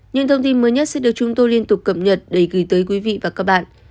những thông tin mới nhất sẽ được chúng tôi liên tục cập nhật để gửi tới quý vị và các bạn